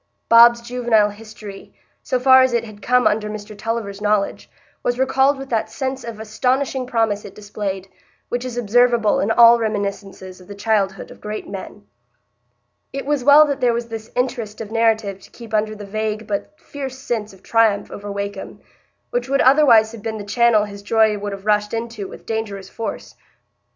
Bob's juvenile history, so far as it had come under Mr Tulliver's knowledge, was recalled with that sense of astonishing promise it displayed, which is observable in all reminiscences of the childhood of great men. It was well that there was this interest of narrative to keep under the vague but fierce sense of triumph over Wakem, which would otherwise have been the channel his joy would have rushed into with dangerous force.